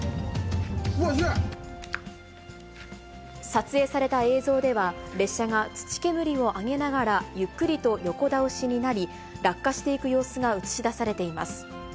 撮影された映像では、列車が土煙を上げながら、ゆっくりと横倒しになり、落下していく様子が写し出されています。